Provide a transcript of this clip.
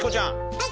はい！